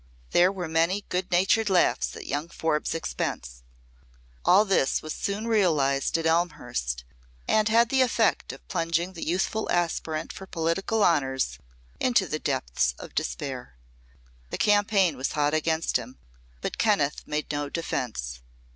There were many good natured laughs at young Forbes's expense. All this was soon realized at Elmhurst, and had the effect of plunging the youthful aspirant for political honors into the depths of despair. The campaign was hot against him, but Kenneth made no defense.